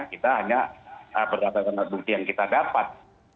kita hanya berdasarkan bukti yang kita dapat